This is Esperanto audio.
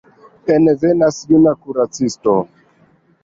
Envenas juna kuracisto.